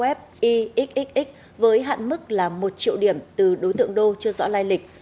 web ixx với hạn mức là một triệu điểm từ đối tượng đô chưa rõ lai lịch